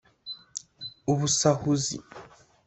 ubusahuzi